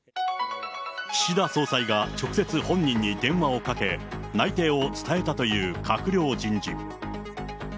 岸田総裁が直接、本人に電話をかけ、内定を伝えたという閣僚人事。